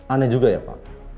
aneh juga ya pak